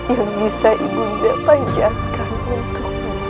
yang bisa ibu bila panjangkan untukmu